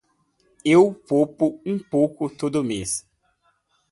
Eu poupo um pouco todo mês.